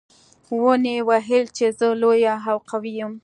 ونې ویل چې زه لویه او قوي یم.